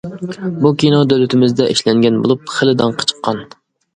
بۇ كىنو دۆلىتىمىزدە ئىشلەنگەن بولۇپ خېلى داڭقى چىققان.